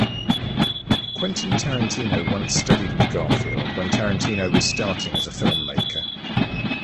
Quentin Tarantino once studied with Garfield when Tarantino was starting as a filmmaker.